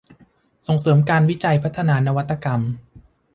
ส่งเสริมการวิจัยพัฒนานวัตกรรม